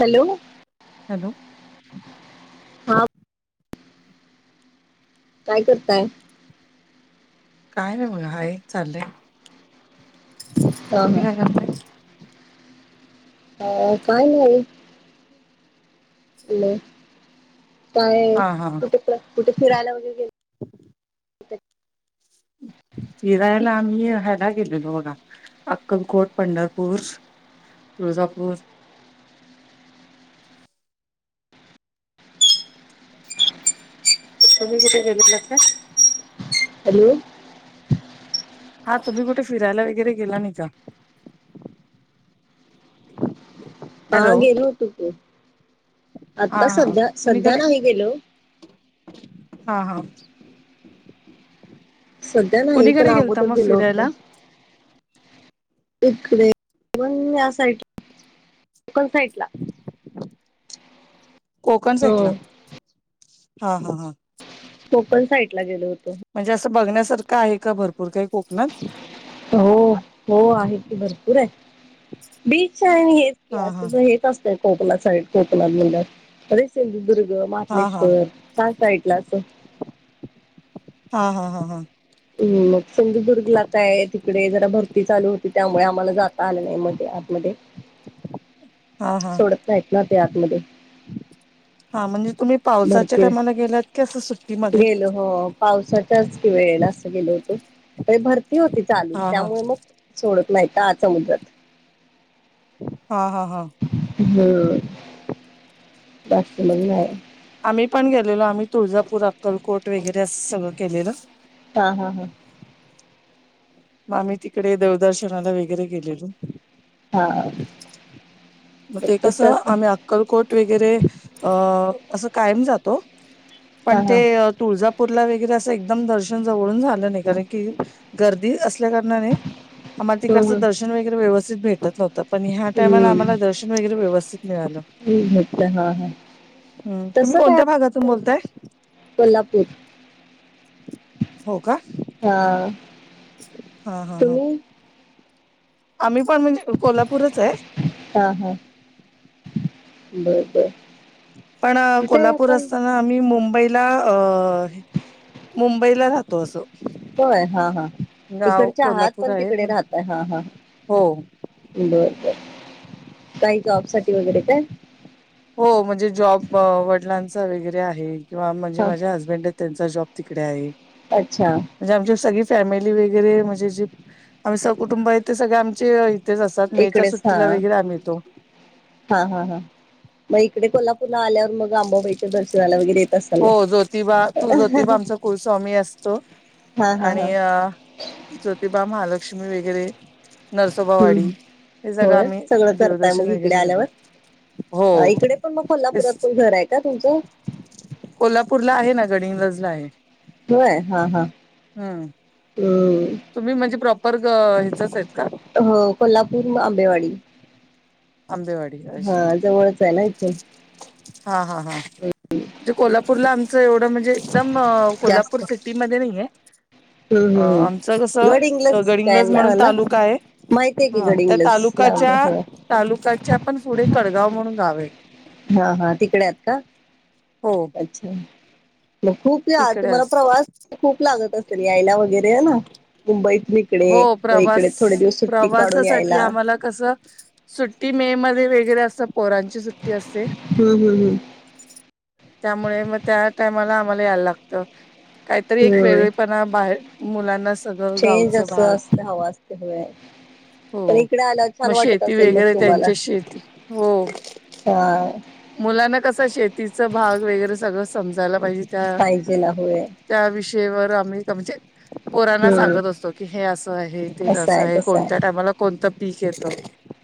Hello.... hello.... हा काय करताय? काय नाही मग हाय चाललंय. हा हा तुम्ही काय करताय? हाव काय नाही.... काय चाललंय काय हा कुठे कुठे फिरायला वगैरे गेलते.... ह [inaudible] फिरायला आम्ही ह्याला गेलेलो बघा... अक्कलकोट पंढरपूर तुळजापूर..... तुम्ही कुठे गेलेल्लात काय? हॅलो... हा तुम्ही कुठे फिरायला वगैरे गेला नाही का? हा हॅलो गेलो होतो की.... हा आता हा सध्या सध्या कुणीकडे नाही गेलो... हा हा.... सध्या नाही पण कुणीकडे गेलता अगोदर मग गेलो फिरायला होतो.... इकडे कोकण या साईड कोकण साईड ला.... कोकण साईटला हो हा हा हा..... कोकण साईट ला गेलो होतो.... म्हणजे असं बघण्यासारखं आहे का भरपूर काही कोकणात...... हो हो आहे की भरपूर आहे बीच आहे हेच की हा हा असं हे.... असतय कोकणात सगळे कोकणात म्हटल्यावर अरे सिंधुदुर्ग हा हा मारलेश्वर काय.... साईडला असं... हा हा हा हा.... हम् मग सिंधुदुर्ग ला काय तिकडे जरा भरती चालू होती त्यामुळे आम्हाला जात.... आल नाही मध्ये आतमध्ये..... हा हा.... करतायत ते आतमध्ये.... हा म्हणजे तुम्ही.... पावसाच्या भरतीये टायमाला गेलात की असं सुट्टीमध्ये गेलो हो पावसाच्याच वेळेला असं गेलो होतो... भरती होती चालू हा हा त्यामुळे मग सोडत नाही ना आत समुद्रात...... हा हा हा... हम्.... बाकी मग नाही आम्ही पण गेलेलो आम्ही तुळजापूर अक्कलकोट वगैरे असं सगळं केलेलं हा हा हा मग आम्ही तिकडे देवदर्शनाला वगैरे गेलेलो हा मग ते कस कसं असं आम्ही अक्कलकोट वगैरे अस कायम जातो हा पण हा ते तुळजा पुरला वगैरे असं एकदम दर्शन जवळून झालं नाही कारण की गर्दी अस ळ्या कारणाने आम्हाला हं तिकडचं दर्शन वगैरे व्यवस्थित भेटत नव्हतं पण ह्या टायमाला हं आम्हाला दर्शन वगैरे व्यवस्थित मिळालं हं घेतलं हा हा हम्म तुम्ही तसं काय कोणत्या भागातून बोलताय कोल्हापूर हो का हा हा हा हा तुम्ही आम्ही पण म्हणजे कोल्हापूरच आहे हा हा बर बर पण तिथे कोल्हापूर आपण असताना आ मी मुंबईला अ मुंबईला राहतो असं होय हा हा गाव तिकडच्या आहात कोल्हापूर पण आहे तिकडे राहतय हा हा हो बर बर काय जॉब साठी वगैरे काय हो म्हणजे जॉब वडिलांचा वगैरे आहे किंवा म्हणजे हा माझ्या हसबंड त्यांचा जॉब तिकडे आहे अच्छा म्हणजे आमची सगळी फॅमिली वगैरे म्हणजे जे आम्ही सह कुटुंब आहेत ते सगळे आमचे तेच असतात मेच्या इकडेच हा सुट्टीला वगैरे रे आम्ही येतो हा हा हा मग इकडे कोल्हापूरला आल्यावर मग आंबाबाईच्या दर्शनाला वगैरे येत असाल हो ना ज्योतिबा तू ज्योतिबा आमचा कुलस्वामी असतो हा हा हा आणि अ ज्योतिबा महालक्ष्मी वगैरे नरसोबावाडी हम्म हे सगंळं होय आम्ही सगळं करताय मग देवदर्शन इकडे वगैरे आल्यावर बघतो इकडे पण मग कोल्हापुरात पण घर आहे का तुमचं कोल्हापूरला आहे ना गडहिंग्लज ला आहे होय हा हा हम्म हम तुम्ही म्हणजे प्रॉपर हचच आहेत का हो कोल्हापूर आंबेवाडी आंबेवाडी हा अच्छा जवळच आहे ना इथून हा हा हा म्हणजे कोल्हापूरला आमचं एवढं म्हणजे एकदम कोल्हापूर जास्त सिटीमध्ये नाहीये हम्म अ हम् आमचं कसं गडहिंग्लज काय गडिंग्लज म्हणून ना तालुका आहे माहिती आहे की हा त्या गडहिंग्लज ला तालुकाच्या हो तालुकाच्या पण पुढे कडगाव म्हणून गाव आहे हा हा तिकडे आहेत का हो अच्छा मग खूप या तिकडे तुम्हाला असत प्रवास खूप लागत असेल यायला वगैरे ना मुंबईत इकडे हो व इकडे प्रवास थोडे दिवस सुट्टी काढून यायला कस सुट्टी मे मध्ये वगैरे अस पोरांची सुट्टी असते हम्म हम्म त्यामुळे मग त्या टायमाला आम्हाला यायला लागत काहीतरी हम्म एक हम्म वेगळेपणा बाहेर मुलांना सगळं गावच स असत हवा असते हवे पण हो इकडे आल्यावर छान मग वाटत शेती असेल मग वगैरे तुम्हाला त्यांच्या शेती हो हा मुलांना कस शेतीचा भाग वगैरे सगळं समजायला पाहिजे. त्या पायजेल आहे. त्या विषयीवर आम्ही म्हणजे पोरांना हम्म सांगत असतो की हे असं आहे, ते तसं आहे कोणत्या टामाला कोणतं पीक येतं?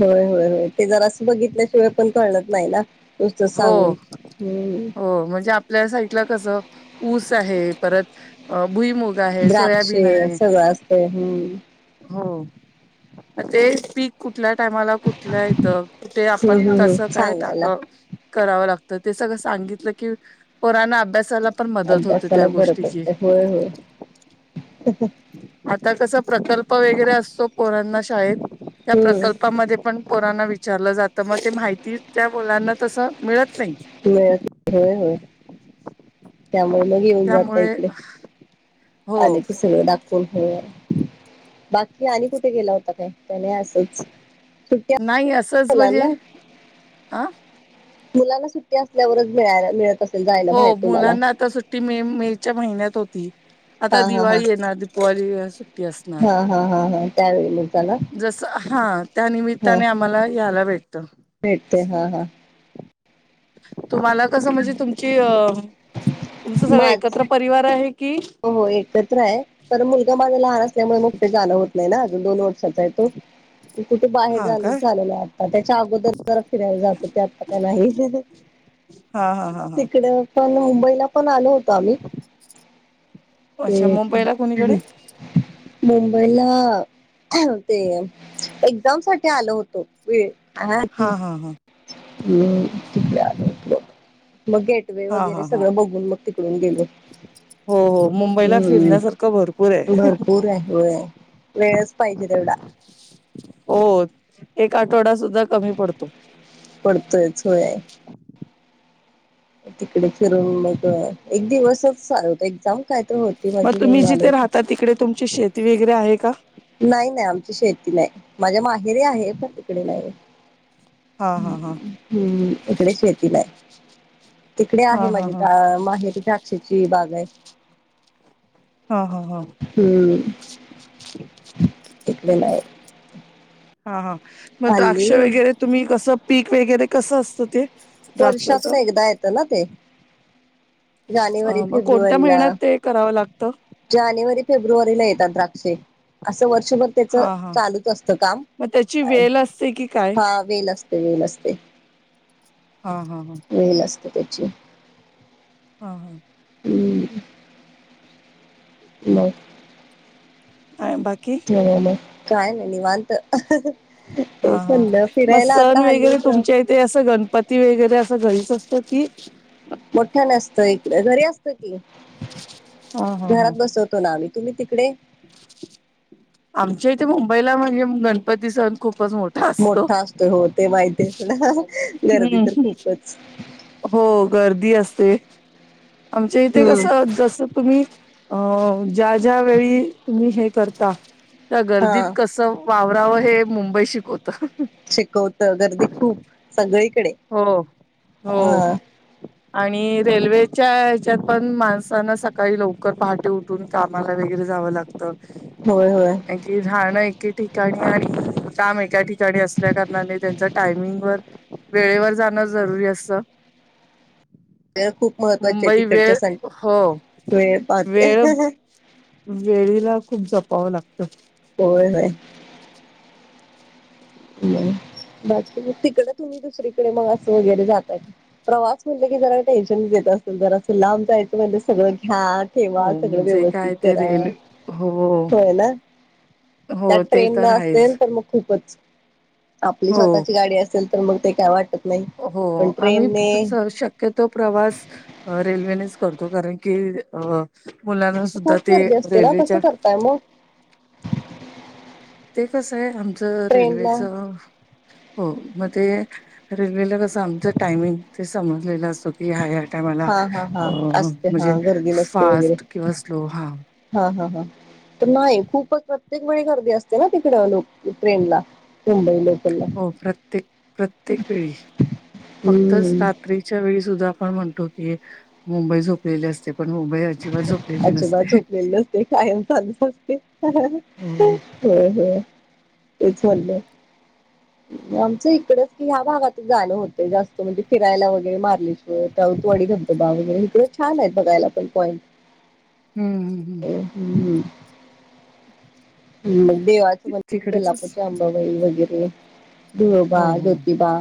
होय होय होय ते जरा असं बघितल्याशिवाय पण कळत नाही ना? नुसतं हो सांगून हम्म हो म्हणजे आप ल्या साईडला कस ऊस आहे परत अ भुईमुग आहे, द्राक्षे सोयाबीन आहे सगळं असतय हम्म हो. ते पीक कुठल्या टायमाला? कुठल येत? कुठे आपण हम्म हम्म हम्म कसं काय सांगायला टाक करावं लागतं ते सगळं सांगितलं की पोराना अभ्यासाला पण मदत होते त्या अभ्यासाला बरं गोष्टीची. पडतय होय होय आता कस प्रकल्प वगैरे असतो पोरांना शाळेत त्या हम्म प्रकल्पामध्ये पण पोरांना विचारलं जातं मग ते माहिती त्या मुलांना तसं मिळत नाही. [unintelligible] होय हो त्यामुळे मग येऊन जात त्यामुळे इथले, हो आले की सगळं दाक हो बाकी आणि कुठे गेला होता काय? त्का नाही अस [unintelligible] नाही असंच म्हणजे मुलांना अं मुलांना सुट्टी असल्यावरच मिळाय मिळत अस हो मुलांना आता सु ती मे मेच्या महिन्यात होती, आता हा हा हा दिवाळी येणार दीपवली हा हा हा हा. काता ना [unintelligible] जस हा त्यानिमित्ताने आम्हाला यायला भेटत भेटते हा हा. तुम्हाला कसं म्हणजे तुमची, अ तुमचं सगळं एकत्र परिवार आहे की? हो हो एकत्र आहे. तर मुलगा माझा लहान असल्यामुळे मग ते जाणं होत नाही ना अजून दोन वर्षाचा आहे तो. कुठे बाहेर हा जायला काय झालेलं, आता त्याच्या अगोदर जरा फिरायला जातो ते आता काय नाही. ह [inaudible] हा हा हा हा. काल मुंबईला पण आलो होतो आम्ही अच्छा ते मुंबईला कोणीकडे मुंबईला ते, एक्झाम साठी आलो होतो. ् हा हा हा मगे [unintelligible] गेट वे हा वगैरे हा हा सगळं बघून, मग तिकडून गेलो. हो हो मुंबईला फिरण्यासारखं भरपूर हम्म आहे भरपूर आहे व वेळच पाहिजे तेवढा हो एक आठवडा सुद्धा कमी पडतो. पडतोयच होय. तिकडे फिरून मग एक दिवसच चालतो एक्झाम. काय तर होती मग माझी तुम्ही म्हणून आलो जिथे होतो. राहता तिकडे तुमची शेती वगैरे आहे का? नाही नाही आमची शेती नाही माझ्या माहेरी आहे पण तिकडे नाही. हा ह हा हा हम्म इकडे शेती नाय. तिकडे हा आहे हा हा माझी माहेरी द्राक्षाची बाग आहे. हा हा हा. हम्म तिकडे नाही. हा हा मग हल्ली द्राक्ष वगैरे तुम्ही कसं पीक वगैरे कसं असतं ते? द्राक्षाचं वर्षातून एकदा येतं ना ते. जानेवारी अ मग कोणत्या फेब्रुवारीला महिन्यात ते करावं लागतं जानेवारी फेब्रुवारीला येतात द्राक्षे असं वर्षभर त्याच हा हा चालूच असत काम मग त्याची वेल असते की काय हा वेल असते वेल असते. हा हा हा वेल असते त्याची हा हं हम्म नाय. काय बाकी काय नाय निवांत हा तेच हा म्हणलं म फिरायला आता सण हल्ली वगैरे तुमच्या इ ते असं गणपती वगैरे असं घरीच असतं की मोठं नसत इकडे घरी असत की हा हा हा घरात बसवत तो ना आम्ही तुम्ही तिकडे आमच्या इथे मुंबईला म्हणजे गणपती सण खूपच मोठा असतो. हो ते माहिती आहे ना गर्दी तर हम्म खूपच हो गर्दी असते आमच्या इथे हम्म कसं जस तुम्ही अ ज्या ज्या वेळी तुम्ही हे करता त्या गर्दीत हा कस वावराव हे मुंबई शिकवतं. शिकवत गर्दी खूप सगळीकडे हो हो हा आणि रेल्वेच्या ह्याच्यात पण माणसांना सकाळी लवकर पहाटे उठ उठून कामाला वगैरे जावं लागत. होय होय. कारण की राहण एके ठिकाणी आणि काम एका ठिकाणी असल्या कारणाने त्यांचा टायमिंग वर वेळेवर जाणं जरुरी असत. वेळ खूप महत्त्वाची आहे तिकडच्या हो साठी वेळ पाहते. वेळ वेळीला खूप जपावं लागतं. होय होय. म बाकी म तिकड तुम्ही दुसरीकडे मग असं वगैरे जाता प्रवास म्हणल की जरा टेन्शन येत असल जरासं लांब जायचं म्हणल्यावर सगळं घ्या. ठेवा हो सगळं जे व्यवस्थित काय ते करा रेल हो होय ना त्यात हो ते ट्रेन न तर आहेच असेल तर मग खूपच आपली हो स्वतःची गाडी असेल तर मग ते काय वाटत नाही. हो पण आम्हीच ट्रेनने स शक शक्यतो प्रवास रेल्वेनेच करतो कारण की अ मुलांना सुद्धा खूप ते गर्दी असते ना कसं रेल्वेच्या करताय मग ते कसं आहे आमचं ट्रेनला रेल्वेचं हो म ते रेल्वेला कसं आमचं टायमिंग ते समजलेलं असत हया हया टाईमाला हा हा हा अ असते हा म्हणजे गर्दी नसते वगैरे फास्ट किंवा स्लो हा हा हा हा त नाही खूपच प्रत्येक वेळी गर्दी असते ना तिकड लोक ट्रेन ला मुंबई लोकल ला हो प्रत्येक प्रत्येक वेळी फक्त हम्म श्रात र्रीच्या वेळी सुद्धा आपण म्हणतो की मुंबई झोपलेली असते. पण मुंबई अजि अजिबात झोपलेली नसते, कायम चालूच असते. हो. हम्म होय, होय तेच म्हणलं. आमचं इकडच की ह्या भागातच जाण होतय जास्त, म्हणजे फिरायला वगैरे मारली हो ताऊतवाडी धबधबा वगैरे, इकडं छान आहेत बघायला पण पॉइंट. हम्म, हम्, हम् ह्हह ह्,, मग देवाचं म्हणलं क तिकडेचच कोल्हापूरच्या अंबाबाई वगैरेऽऽ धुळोबा,, हो हो ज्योतीिबा,,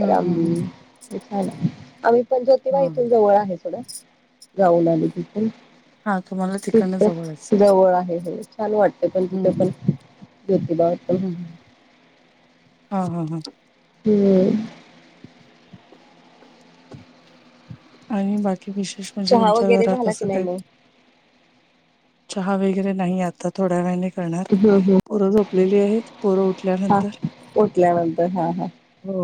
तर. आम. हम्म हम्म छान आय,, आम्ही पण ज्योतिबा इथून जवळ आहे सोडाऽ जाऊन आली हा हा तुम्हाला तिथ,, तिकडनं जवळच त जवळ आहे. छान वाटतय पण,, हम्म तिथं पण हम्म ज्योतिबा वर पण. हम्म हा, हा, हा हम्म, आणि,, बाकी विशेष म्हणजे चहा तुमच्या वगैरे घरात झाला की असं नाही काय? मग चहा वगैरे नाही आता,, थोड्या वेळाने करणार. हम्म हम्म पोरं जोपलेली आहेत. पोरं उठल्यावर. हा,, ऊटल्यानंतर,,, हा, हा हो,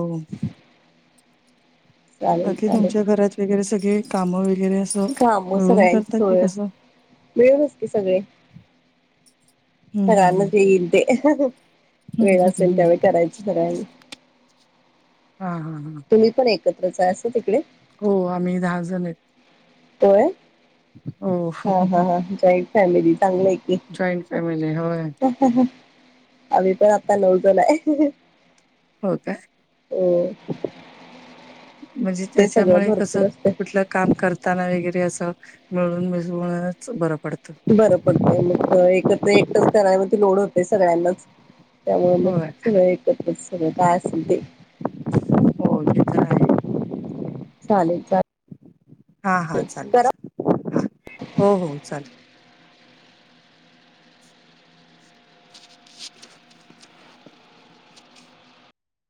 चालेल बाकीी चालेल तुमच्या घरात वगैरे सगळे,, काम वगैरे असऽऽ काम सगळ्यांची होय,,, मिळूनच की सगळ्या चीऽ हम्म सगळ्या ना हम्म जे ईल ते ऽ हम्म वेळ हम्म हम्म असेल हम्म त्यावेळी करायच,,, सर्वांनी ऽ हा, हा, हा एकतच असं तिकडे? हो,, आम्ही दहा जण आहेत. होय!, हो हा, हा, हा जॉईंट फॅमिली चांगली आहे की. जॉईंट फॅमिली होय. आम्ही पण आता नऊजन आय. हो काय? म्हणजे ते सगळं त्याच्यामुळे कस, भरपूर असते कुठलं काम करतऽ ताना वगैरे असं,, मिळून मिसळूच बरं पडतंऽ बरं पडतय,, मग एक एकटचऽ कराय वरती लोड होतय सगळ्यांनाच,,, त्यामुळे मग होय सगळं एकत्र सगळं,, काय असेल तेऽ हो ते तर आहे चालेल चालेल. हा, हा, चालेल करा चालेल,,, हो हो, चालेल.